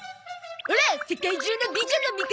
オラ世界中の美女の味方！